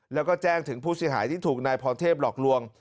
แล้วก็แจ้งถึงผู้เสียหายที่ถูกนายพรเทพหลอกลวง